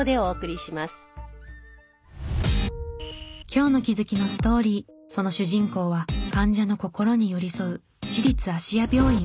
今日の気づきのストーリーその主人公は患者の心に寄り添う市立芦屋病院。